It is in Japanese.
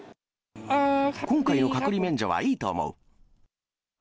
今回の隔離免除はいいと思う。